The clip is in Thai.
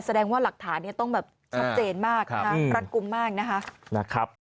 แสดงว่าหลักฐานนี้ต้องแบบชอบเจนมากนะรักกุมมากนะครับ